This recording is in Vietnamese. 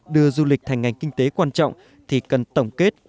đưa du lịch thành ngành kinh tế quan trọng thì cần tổng kết